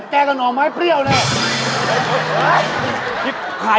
แม่หน้าของพ่อหน้าของพ่อหน้า